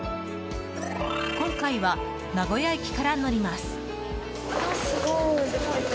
今回は名古屋駅から乗ります。